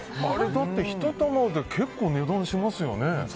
だって１玉で結構、値段しますよね。